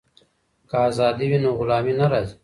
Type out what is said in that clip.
که ازادي وي نو غلامي نه راځي.